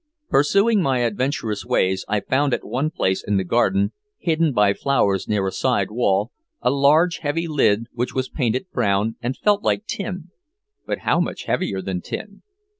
Pursuing my adventurous ways, I found at one place in the garden, hidden by flowers near a side wall, a large heavy lid which was painted brown and felt like tin. But how much heavier than tin.